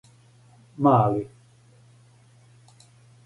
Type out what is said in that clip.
Мали